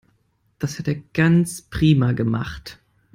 Das hat er ganz prima gemacht.